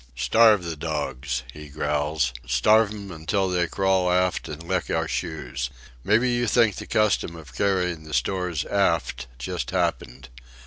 "Starve the dogs," he growls. "Starve 'm until they crawl aft and lick our shoes. Maybe you think the custom of carrying the stores aft just happened.